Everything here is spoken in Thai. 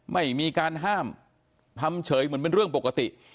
ไม่มีการห้ามทำเฉยเหมือนเป็นเรื่องปกติ